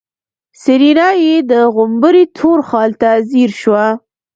سېرېنا يې د غومبري تور خال ته ځير شوه.